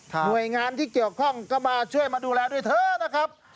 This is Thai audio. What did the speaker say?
หน่วยงานที่เกี่ยวข้องก็มาช่วยมาดูแลด้วยเถอะนะครับ